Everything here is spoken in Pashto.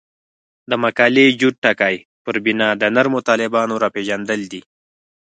د مقالې جوت ټکی پر بنا د نرمو طالبانو راپېژندل دي.